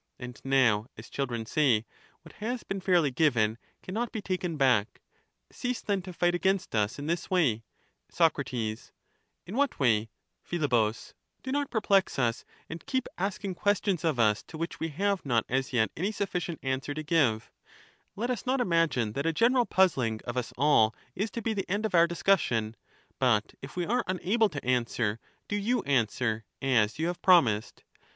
And now, as children say, what has been fairly given cannot be taken back ; cease then to fight against us in this way. Soc. In what way? 20 Phi, Do not perplex us, and keep asking questions of us Philebus to which we have not as yet any suflBcient answer to give ; ^j,^ let us not imagine that a general puzzling of us all is to be confess the end of our discussion, but if we are unable to answer, do *^e°»seiyes 1 . 1 r .. 1 1 11 incapable you answer, as you have promised.